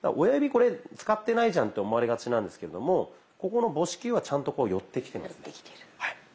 親指これ使ってないじゃんと思われがちなんですけれどもここの母指球はちゃんとこう寄ってきてますね。